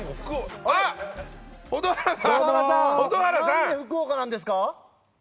何で福岡なんですか？